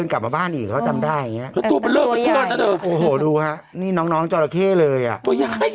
นะฮะเราน่ามีแบบ